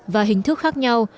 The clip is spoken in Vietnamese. và hình thức khác nhau